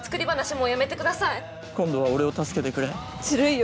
もうやめてください今度は俺を助けてくれズルいよ